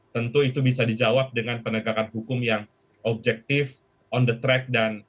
tentu itu bisa dijawab dengan penegakan hukum yang objektif on the track dan